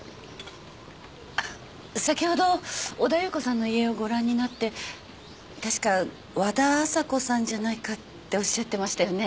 あっ先ほど小田夕子さんの遺影をご覧になって確か「和田朝子さんじゃないか」っておっしゃってましたよね？